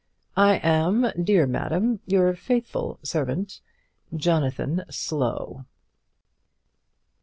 I am, dear Madam, Your faithful servant, JONATHAN SLOW.